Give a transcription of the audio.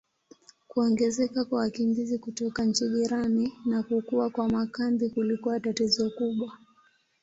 Kuongezeka kwa wakimbizi kutoka nchi jirani na kukua kwa makambi kulikuwa tatizo kubwa.